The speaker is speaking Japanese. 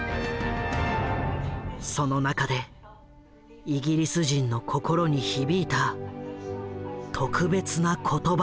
その中でイギリス人の心に響いた特別な言葉がある。